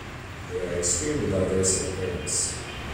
They are extremely diverse in appearance.